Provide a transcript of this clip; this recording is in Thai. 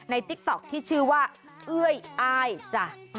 ติ๊กต๊อกที่ชื่อว่าเอ้ยอ้ายจ้ะ